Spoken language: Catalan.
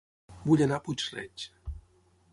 Vull anar a Puig-reig